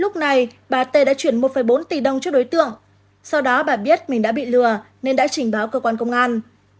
lúc này bà t đã chuyển một bốn tỷ đồng cho đối tượng sau đó bà biết mình đã bị lừa nên đã trình báo cơ quan công an